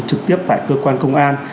trực tiếp tại cơ quan công an